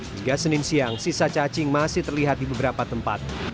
hingga senin siang sisa cacing masih terlihat di beberapa tempat